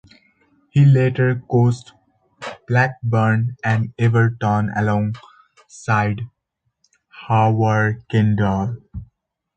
He later coached Blackburn and Everton alongside Howard Kendall.